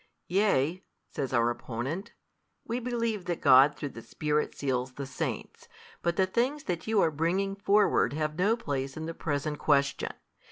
Yea (says our opponent) we believe that God through the Spirit seals the Saints, but the things that you are bringing forward have no place in the present question.